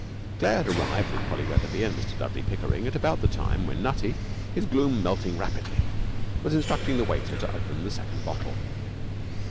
Claire had arrived with Polly Wetherby and Mr Dudley Pickering at about the time when Nutty, his gloom melting rapidly, was instructing the waiter to open the second bottle.